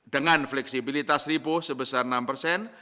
dengan fleksibilitas ribu sebesar enam persen